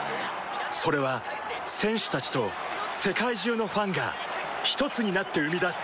それは選手たちと世界中のファンがひとつになって生み出す